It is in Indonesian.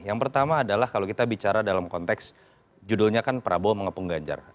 yang pertama adalah kalau kita bicara dalam konteks judulnya kan prabowo mengepung ganjar